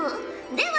では